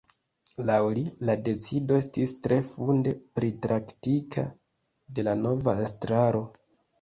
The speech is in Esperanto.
Laŭ li, la decido estis tre funde pritraktita de la nova estraro.